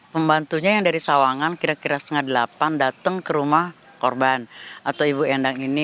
pembantunya yang dari sawangan kira kira setengah delapan datang ke rumah korban atau ibu endang ini